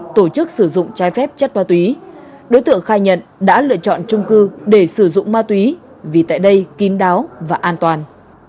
tổ chức sử dụng trái phép chất ma túy đối tượng khai nhận đã lựa chọn trung cư để sử dụng ma túy vì tại đây kín đáo và an toàn